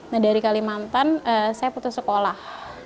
nah dari kalimantan saya putus sekolah